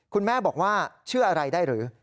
คุณแม่บอกว่าเชื่ออะไรได้หรือ